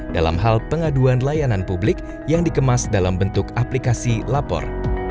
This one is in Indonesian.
dalam hal pengaduan layanan publik yang dikemas dalam bentuk aplikasi lapor